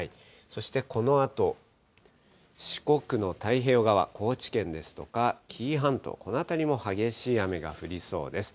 そしてこのあと、四国の太平洋側、高知県ですとか、紀伊半島、この辺りも激しい雨が降りそうです。